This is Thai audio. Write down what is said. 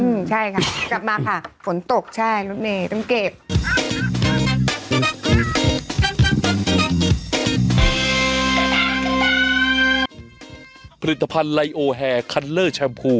อืมใช่ค่ะกลับมาค่ะฝนตกใช่รถเมย์ต้องเก็บ